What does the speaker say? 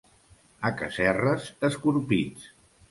A Casserres, escorpits.